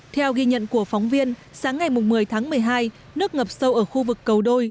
theo ghi nhận của phóng viên sáng ngày một mươi tháng một mươi hai nước ngập sâu ở khu vực cầu đôi